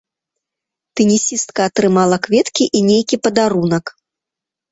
Тэнісістка атрымала кветкі і нейкі падарунак.